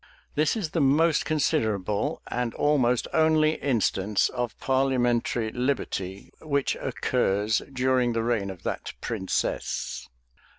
[*] This is the most considerable, and almost only instance of parliamentary liberty, which occurs during the reign of that princess.